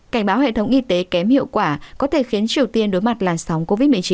cảnh báo hệ thống y tế kém hiệu quả có thể khiến triều tiên đối mặt làn sóng covid một mươi chín